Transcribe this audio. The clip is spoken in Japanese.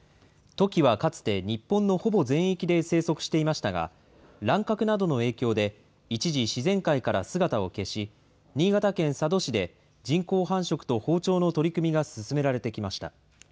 トキはかつて、日本のほぼ全域で生息していましたが、乱獲などの影響で一時、自然界から姿を消し、新潟県佐渡市で、人工繁殖と放鳥の取り組みが進められてきました。